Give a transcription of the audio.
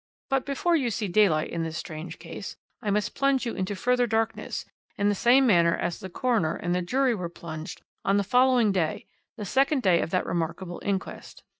"But before you see daylight in this strange case, I must plunge you into further darkness, in the same manner as the coroner and jury were plunged on the following day, the second day of that remarkable inquest.